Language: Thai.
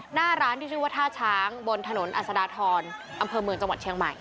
หน้าร้านที่ชื่อว่าท่าช้างบนถนนอัศดาทรอำเภอเมืองจังหวัดเชียงใหม่